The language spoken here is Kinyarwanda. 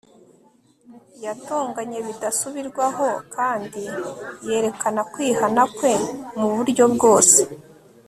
yatonganye bidasubirwaho kandi yerekana kwihana kwe muburyo bwose